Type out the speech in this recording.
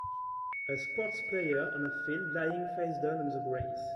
A sports player on a field lying face down on the grass.